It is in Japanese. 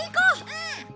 うん！